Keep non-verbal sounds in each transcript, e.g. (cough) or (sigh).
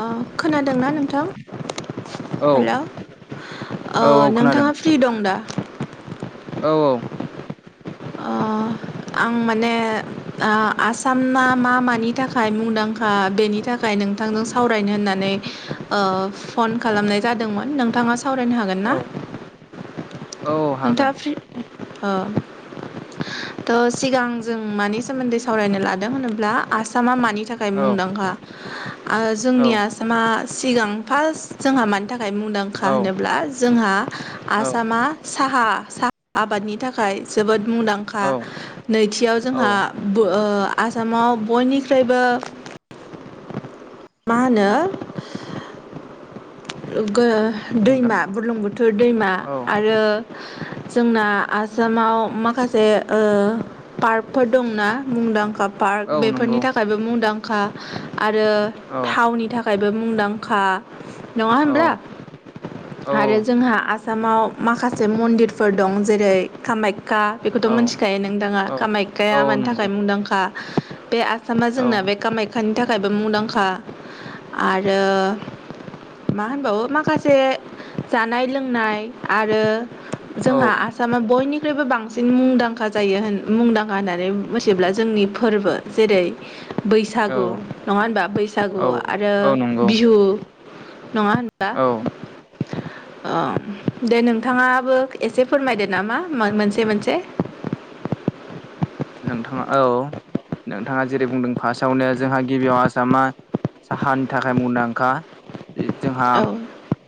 ओ खोनादोंना खोनादों नोंथां? औ हेलौ औ औ खोनादों ओ-नोंथाङा फ्रि दं दा? औ औ ओ आं माने आ-आसामा मा मानि थाखाय मुंदांखा बेनि थाखाय थाखाय नोंथांजों सावरायनो होननानै ओ फन खालामनाय जादोंमोन। नोंथाङा (unintelligible) सावरायनो हागोनना? औ औ हागोन नोंथाङा फ्रि ओ? थ' सिगां जों मानि सोमोन्दै सावरायनो लादों होनोब्ला आसामा मानि मानि थाखाय औ मुंदांखा। ओ औ जोंनि आसामा सिगां फारस जोंहा मानि थाखाय औ मुंदांखा होनोब्ला, जोंहा आसामा साहा-साहा आबादनि थाखाय जोबोद मुंदांखा। औ नैथियाव जोंहा औ बोआ आसामाव बयनिख्रयबो मा होनो गो बुंदों दैमा बुरलुंबोथोर दैमा औ आरो जोंना आसामाव माखासे ओ पार्कफोर दंना, मुंदांखा पार्क औ बेफोरनि नंगौ थाखायबो मुंदांखा आरो औ थावनि थाखाय थाखायबो मुंदांखा, नङा औ होनब्ला? औ आरो जोंहा आ आसामाव माखासे मन्दिरफोर दं, जेरै- कामाख्या खा बेखौथ' औ मिथिखायो नोंथाङा, औ औ कामाख्यााया मानि नंगौ थाखाय मुंदांखा बे आसामामा औ जोंना बे कामाख्याानि थाखायबो मुंदांखा आरो मा होनबावो माखासे जानाय लोंनाय आरो औ जोंहा आसामा बयनि निख्रुइबो बांसिन मुंदांखा जायो होन मुंदांखा होननानै मिथियोब्ला जोंनि फोरबो, जेरै औ बैसागु नङा होनबा बैसागु औ आरो औ नंगौ बिहु नङा होनबा? औ आम दे नोंथाङा-बो एसे फोरमायदो नामा मोनसे-मोनसे (inaudible) नोंथाङा औ नोंथाङा जेरै बुंदों फार्स्टआवनो जोंहा गिबियाव आसामा साहानि थाखाय मुंदांखा जोंहा औ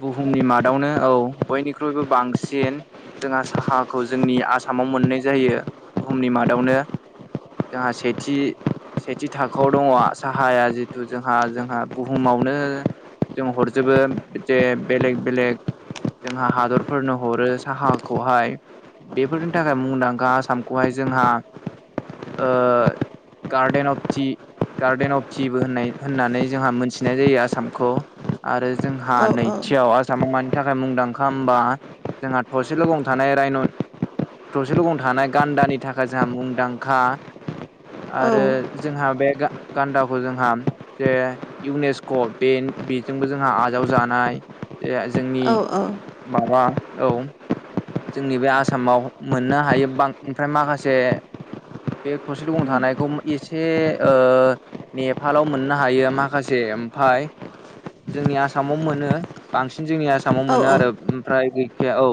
बुहुमनि मादावनो औ बयनिख्रुइबो बांसिन जोंहा साहाखौ जोंनि आसामाव मोननाय जायो। बुहुमनि मादावनो (inaudible) जोंहा सेथि सेथि थाखोआव दङ साहाया जिथु जोंहा-जोंहा बुहुमावनो जों हरजोबो जे बेलेग-बेलेग जोंहा हादरफोरनो हरो साहाखौहाय। बेफोरनि थाखाय मुंदांखा आसामखौहाय जोंहा ओ गार्डेन अफ ति गार्डेन अफ टिबो होननाय होननानै जोंहा मोनथिनाय जायो आसामखौ आरो जोंहा औ नैथियाव आसामाव थाखाय मुंदांखा हबा जोंहा थसेल' गं थानाय रायन' थसेल' गं थानाय गान्दानि थाखाय जोंहा मुंदांखा। औ आरो जोंहा बे गा-गान्दाखौ जोंहा जे इउनेस्क' बे बेजोंबो जोंहा आजाव जानाय। दे जोंनि औ माबा औ जोंनि बे आसामाव मोननो हायो बां ओमफ्राय माखासे बे थरसेल' गं थानायखौ एसे ओ नेपालाव मोननो हायो माखासे ओमफाय जोंनि आसामाव मोनो बांसिन जोंनि आसाम आसामाव औ मोनो आरो ओमफ्राय गैखाया औ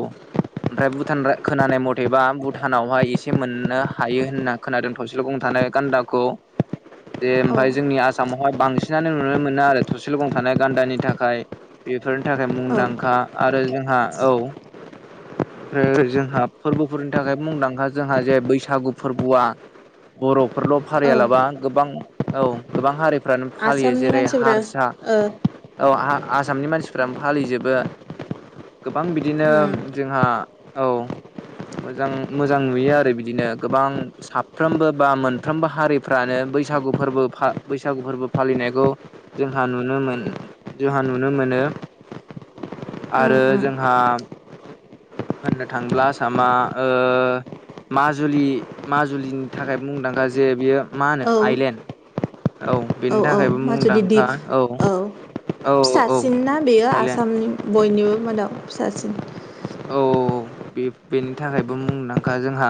ओमफ्राय भुटान रा खोनानाय मथेबा भुटानावहाय एसे मोननो हायो होनना खोनादों थावसेल' गं थानाय खान्दाखौ जे औ ओमफफ्राय जोंनि आसामावहाय बांसिनानो नुनो मोनो आरो थसेल' गं थानाय गान्दानि थाखाय बे बेफोरनि थाखाय औ मुंदांखा आरो जोंहा औ। ओमफ्राय जोंहा फोरबोफोरनि थाखाय मुंदांखा जोंहा जे बैसागु फोरबोआ बर'फोरल' औ फारियालाबा गोबां औ गोबां हारि फ्रानो फालियो आसामनि जेरै मानसिफोरा हारसा ओ औ हा आसामनि मानसिफ्रानो फालिजोबो। गोबां बिदिनो उम आ औ मोजां मोजां नुयो आरो बिदिनो गोबां साफ्रोमबो बा मोनफ्रोमबो हारिफ्रानो बैसागु फोरबो फा- बैसागु फोरबो फालिनायखौ जोंहा नुनो मोन जोंहा नुनो मोनो। (inaudible) उम आरो उम जोंहा होननो थांब्ला आसामा ओ माजुलि माजुलिनि थाखाय मुंदांखा जे बियो मा होनो औ आइलेण्ड औ बेनि औ थाखायबो माजुलि मुंदांखा दिप औ औ औ फिसासिन ना बेयो आइलेण्ड आसामनि बयनिबो मादाव फिसासिन औ बे-बेनि थाखायबो मुंदांखा जोंहा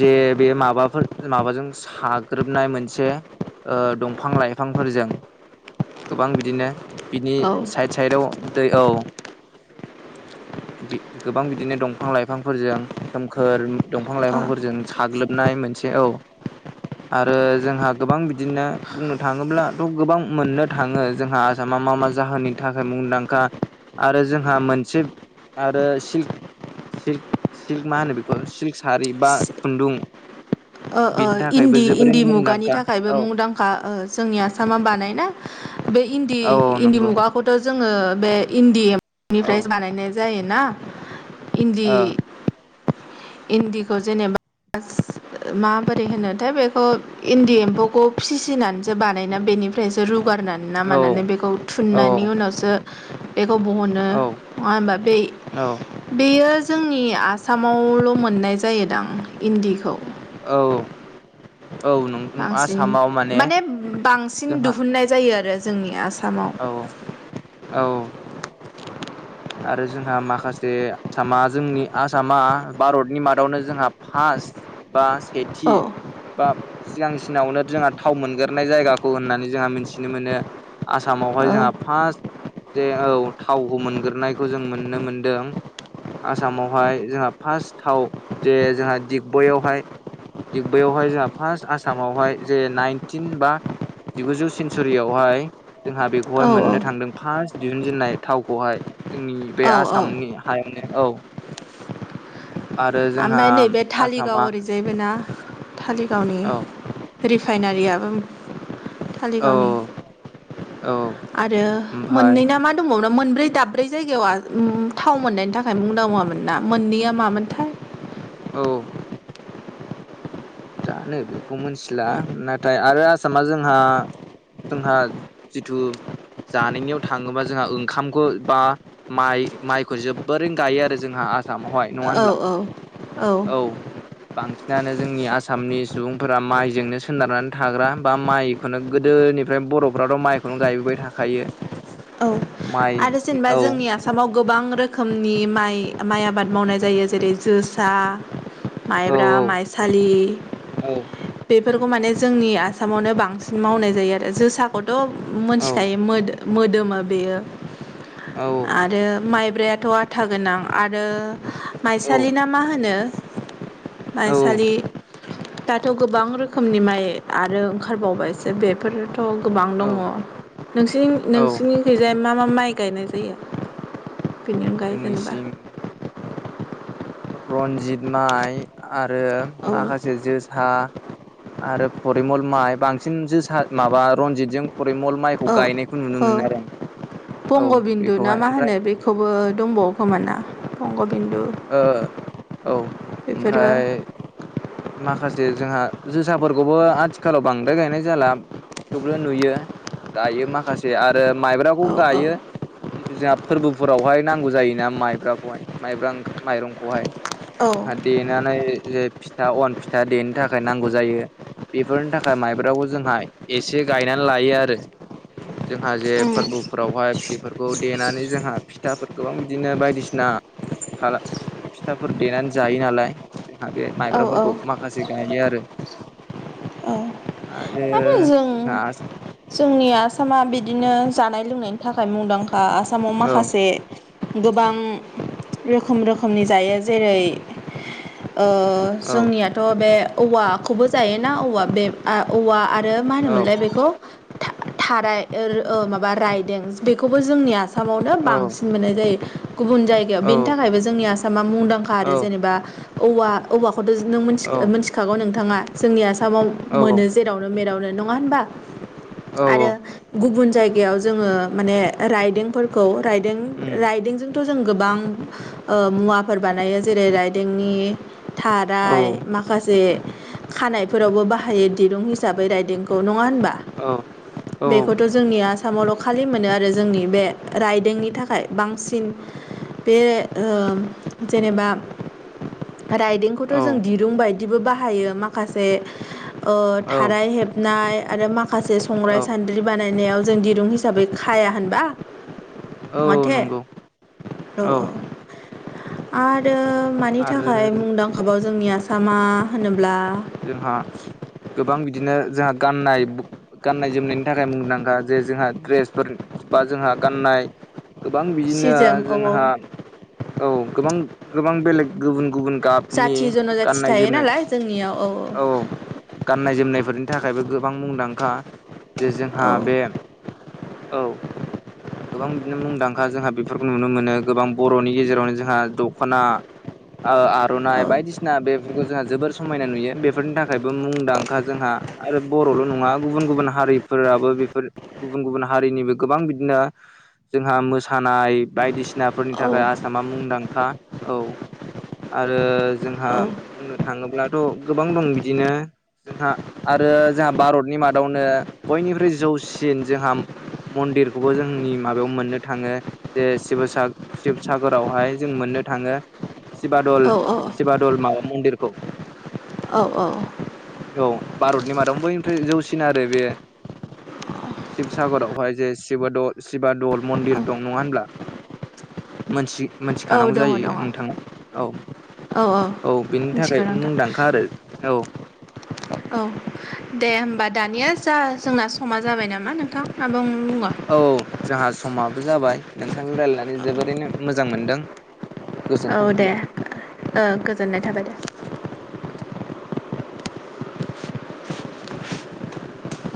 जे बे माबाफोर माबाजों साग्रोबनाय मोनसे ओ दंफां लाइफांफोरजों गोबां बिदिनो बिनि अ साइद साइदाव दै औ बि गोबां बिदिनो दंफां लाइफांफोरजों सोमखोर दंफां लाइफांफोर ओ जों साग्लोबनाय मोनसे औ आरो जोंहा गोबां बिदिनो बुंनो थाङोब्लाथ' गोबां मोननो थाङो जोंहा आसाम मा मा मा जाहोननि थाखाय मुंदांखा आरो जोंहा मोनसेब आरो सिल्क सिल्क सिल्क मा होनो बेखौ सिल्क सारि बा खुन्दुं ओ ओ बिनि थाखायबो इन्दि इन्दि जोबोरैनो मुगानि मुंदांखा थाखायबो औ मुंदांखा ओ जोंनि आसामा बानायनाय बे इन्दि औ इन्दि नंगौ मुगाखौथ' जोङो बे इन्दि औ एनिफ्राय बानायनाय जायोना। इन्दि औ इन्दिखौ जेनेबास माबोरै होनोथाय बेखौ इन्दि एम्फौखौ फिसिनानैसो बानायना बेनि फ्रायसो रुगारनानै ना औ मानानै बेखौ औ थुननायनि उनावसो बेखौ बहनो नङा औ हबा बे औ बेयो जोंनि आसामावल' मोननाय जायोदां इन्दिखौ। औ औ नंगौ बांसिन। आसामाव माने बांसिन जोंहा दुहुननाय जायो आरो। जोंनि आसामाव औ औ आरो जोंहा माखासे आसामा जोंनि आसामा भारतनि मादावनो जोंहा फास बा सेथि औ बा सिगांसिनावनो जोंहा थाव मोनग्राय जायगाखौ होननानै जोंहा मिथिनो मोनो। आसामावहाय ओ जोंहा फासट जे औ थावखौ मोनग्रोनायखौ जों मोननो मोनदों। आसामावहाय जोंहा फार्स्ट थाव जे जोंहा दिग्बयआवहाय दिगबैयावहाय जोंहा फार्स्ट आसामावहाय जे नाइनटिन बा जिगुजौ सेन्सुरियावहाय जोंहा औ बेखौहाय मोननो थांदों फार्स्ट दिहुनजेननाय थावखौहाय जोंनि बे औ औ आसामनि हायावनो औ आरो जोंहा ओमफ्राय नैबे आसामा थालिगाव ओरैजायबो ना। थालिगावनि औ रिफाइनारियाबो औ तालिगावनि औ (inaudible) आरो मोननै ओमफाय ना मा दंबावो ना मोनब्रै दाब्रै जायगायाव थाव मोननायनि थाखाय मुंदांखा मोन ना। मोननैया मामोनथाय औ जानो बेखौ मिथिला, नाथाय आरो आसामा जोंहा जोंहा जिथु जानायनियाव थाङोबा जोंहा ओंखामखौ बा माइ माइखौ जोबोरैनो गायो आरो जोंहा सामावहाय नङा औ होनब्ला? औ औ बांसिनानो जोंनि आसामनि सुबुंफोरा माइजोंनो सोनारनानै थाग्रा बा माइखौनो गोदो गोदोनिफ्राय बर'फ्राथ' माइखौनो गायबोबाय थाखायो। औ माइ आरो जेनबा औ जोंनि आसामाव गोबां रोखोमनि माइ माइ आबाद मावनाय जायो जेरै- जोसा, औ माइब्रा, माइसालि औ बे फोरखौ माने जोंनि आसामावनो बांसिन मावनाय जायो आरो। जोसाखौथ' औ मोनथिखायो मोदो- मोदोमो बेयो औ आरो माइब्रायाथ' आथा गोनां आरो औ माइसालि ना मा होनो? औ माइसालि दाथ' गोबां रोखोमनि माइ आरो ओंखारबावबायसो बेफोर थ' गोबां दङ। औ नोसि औ नोंसिनिखैजाय मा मा माइ गायनाय जायो बेनि अनगायै जेनेबा रनजित माइ आरो औ माखासे जो सा आरो फरिमल माइ बांसिन जोसा माबा रनजितजों परिमल माइखौ औ गायनायखौ नुनो औ मोनो आरो औ बंग' बिन्दु ना बेखौहाय मा ओमफ्राय होनो बेखौबो दंबावोखोमा ना बंग'बिन्दु ओ औ ओमफ्राय माखासे जोंहा जोसाफोरखौबो आथिखालाव बांद्राय गायनाय जाला। थेवबो नुयो गाइयो माखासे आरो माइब्राखौ औ औ गायो जितु जोंहा फोरबोफोरावहाय नांगौ जायोना माइब्राखौहाय माइब्रा माइरंखौहाय औ जोंहा देनानै जे फिथा अन फिथा देनो थाखाय नांगौ जायो। बेफोरनि थाखाय माइब्राखौ जोंहा एसे गायनानै लायो आरो। जोंहा जे उम फोरबोफोरावहाय बेफोरखौ देनानै जोंहा फिथाफोर गोबां बिदिनो बायदिसिना खाला फिथाफोर देनानै जायो नालाय जोंहा बे औ औ माइब्राफोरखौ माखासे गाइयो आरो औ आरो जोंहा आ जोंनि आसामा बिदिनो जानाय-लोंनायनि थाखाय मुंदांखा। आसामाव औ माखासे गोबां रोखोम-रोखोमनि जायो जेरै- ओ औ जोंनियाथ' बे औवाखौबो जायोना औवा बे आ औवा आरो मा औ होनोमोनलाय बेखौ थाराय माबा रायदों बेखौबो जोंनिया आ सामावनो औ बांसिन मोननाय जायो गुबुन जायगायाव औ बेनि थाखायबो जोंनि आसा मा मुंदांखा आरो। औ जेनेबा औवा औवाखौथ' औ मिथिखागौ नोंथाङा जोंनि आसाव औ मोनो जेरावनो मेरावनो नङा होनबा औ आरो गुबुन जायगायाव जोङो माने रायदोंफोरखौ रायदों रायदोंजों थ' जों गोबां ओ मुवाफोर बानायो जेरै राइदोंनि थाराय माखासे खानायफोरावबो बाहायो दिरुं हिसाबै राइदोंखौ न ङा होनबा? बेखौथ' जोंनि आसामावल' खालि मोनो आरो जोंनि बे राइदोंनि थाखाय बांसिन बे ओ जेनेबा राइदोंखौथ जों दिरुं बायदिबो बाहायो माखासे ओ औ थाराय हेबनाय आरो माखासे संग्राय औ सान्द्रि बानायनायाव जों दिरुं हिसाबै खाया होनबा? औ माथे नंगौ औ औ आरो मानि आरो थाखाय मुंदांखाबाव जोंनि आसामा होनो जोंहा गोबां बिदिनो जोंहा गाननाय गाननाय जोमनायनि थाखाय मुंदांखा जे जोंहा ड्रेसफोर बा जोंहा गाननाय गोबां सि बिदिनो जोम औ औ जोंहा औ गोबां गोबां बेलेग गुबुन गुबुन गाबनि जाथि जन'जाथि गाननाय थायो जोमनाय नालाय जोंनियाव औ गाननाय जोमनायफोरनि थाखायबो गोबां मुंदांखा जे जोंहा औ बे औ गोबां बिदिनो मुंदांखा जोंहा बेफोरखौ नुनो मोनो गोबां बरनि गेजेरावनो जोंहा दखना ओ आरनाइ औ बायदिसिना बेफोरखौ जोंहा जोबोर समायना नुयो बेफोरनि थाखायबो मुंदांखा जोंहा आरो बर ल नङा गुबुन गुबुन हारिफोराबो बेफोर गुबुन गुबुन हारिनिबो गोबां बिदिनो जोंहा मोसानाय बायदिसिनाफोरनि औ थाखाय आसामा मुंदां खा औ आरो जोंहा औ बुंनो थाङोब्लाथ गोबां दं बिदिनो जोंहा आरो जोंहा भारतनि मादावनो बयनिख्रुइ जौसिन जोंहा मन्दिरखौबो जों जोंनि माबायाव मोननो थाङो जे शिबसा शिबसागरावहाय जों मोननो थाङो सिशबादल औ सिबादल माबा मन्दिरखौ लांदां औ भारतनि मादाव बयनिफ्राय जौसिन आरो बे शबसागरावहाय जे शब दल सिबा दल औ मन्दिर दं नङा होनब्ला मोनसे मोनथिखानांगौ दङ दङ जायो नोंथां औ औ बेनि थाखाय मिथिगौ नोंथां मुंदांखा आरो औ औ दे होमबा दानिया जा जोंना समा जाबाय नामा नोंथां आबुं बुङो? औ जोहा समाबो जाबाय नोंथांजों रायजल्लायनानै जोबोरैनो मोजां मोनदों औ दे ओ गोजोननाय थाबाय दे लांदां